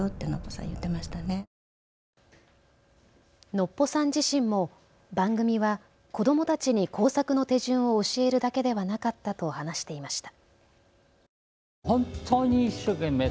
ノッポさん自身も番組は子どもたちに工作の手順を教えるだけではなかったと話していました。